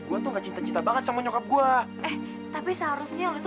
gua tuh gak cinta cinta banget sama nyokap gua eh tapi seharusnya lu tuh